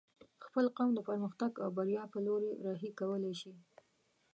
خپل قوم د پرمختګ او بريا په لوري رهي کولی شې